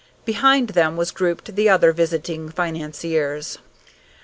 Behind them were grouped the other visiting financiers.